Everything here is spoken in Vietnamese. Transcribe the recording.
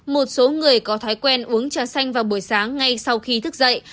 một số người có thói quen uống trà xanh vào buổi sáng ngay sau khi thức dậy